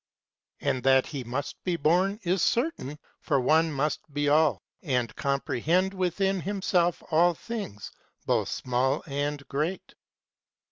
And that he must be born is certain, for One must be All, And comprehend within himself all things, both small and great.